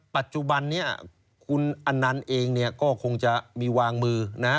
ปัจจุบันนี้คุณอนันต์เองเนี่ยก็คงจะมีวางมือนะฮะ